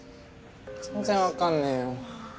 全然分かんねえよ。